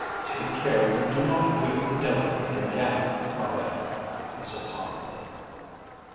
"Take care you do not wake the devil in me again, ma belle," he said sombrely.